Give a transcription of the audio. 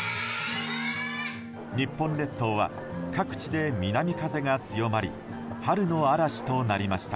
日本列島は各地で南風が強まり春の嵐となりました。